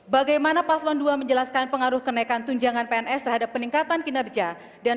bagaimana paslon dua menjelaskan pengaruh kenaikan tunjangan pns terhadap peningkatan kinerja dan